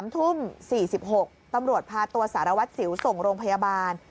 ๓ทุ่ม๔๖ตำรวจพาตัวสารวัตรสิวส่งโรงพยาบาล